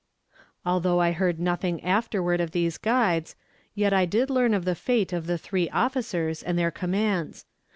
"Although I heard nothing afterward of these guides, yet I did learn of the fate of the three officers and their commands.